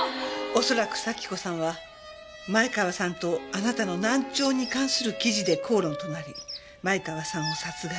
恐らく咲子さんは前川さんとあなたの難聴に関する記事で口論となり前川さんを殺害した。